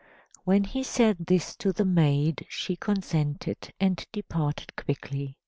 When he said this to the maid, she consented, and departed quickly.